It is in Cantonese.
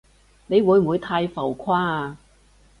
你會唔會太浮誇啊？